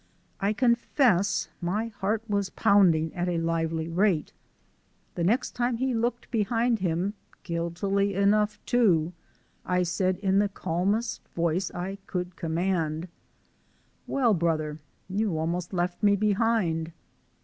I confess my heart was pounding at a lively rate. The next time he looked behind him guiltily enough, too! I said in the calmest voice I could command: "Well, brother, you almost left me behind."